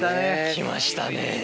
来ましたね。